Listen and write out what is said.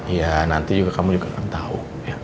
iya nanti kamu juga gak tau